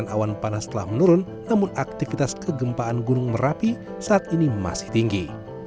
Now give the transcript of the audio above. awan panas telah menurun namun aktivitas kegempaan gunung merapi saat ini masih tinggi